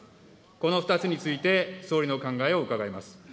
この２つについて総理の考えを伺います。